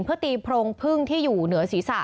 เพื่อตีโพรงพึ่งที่อยู่เหนือศีรษะ